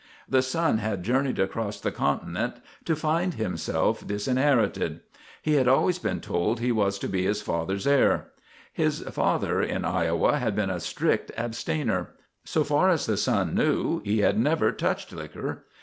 The son had journeyed across the continent to find himself disinherited. He had always been told he was to be his father's heir. His father in Iowa had been a strict abstainer. So far as the son knew, he had never touched liquor.